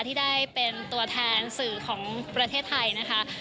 ที่ได้เป็นตัวแทนสื่อของประเทศไทยนะคะ